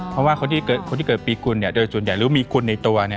เพราะว่าคนที่เกิดปีกรุณโดยสุดใดหรือว่ามีคุณในตัวเนี่ย